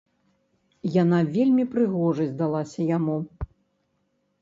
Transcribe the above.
Яна вельмі прыгожай здалася яму.